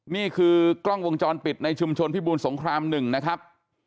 นี่คือกล้องวงจรปิดในชุมชนพิบูรสงคราม๑นะครับ